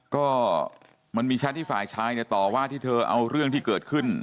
ก็มันมีแชทที่ฝ่ายชายเนี่ยต่อว่าที่เธอเอาเรื่องที่เกิดขึ้น